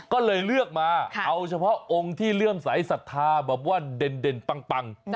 ก็เลยเลือกมาเอาเฉพาะองค์ที่เลื่อมสายศรัทธาแบบว่าเด่นปัง